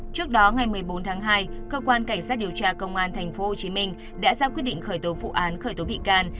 trước đó ngày một mươi bốn tháng hai cơ quan cảnh sát điều tra công an tp hcm đã ra quyết định khởi tố vụ án khởi tố bị can